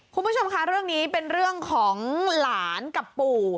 คุณผู้ชมค่ะเรื่องนี้เป็นเรื่องของหลานกับปู่